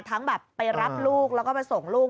ทั้งแบบไปรับลูกแล้วก็ไปส่งลูก